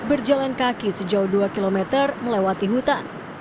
berjalan kaki sejauh dua km melewati hutan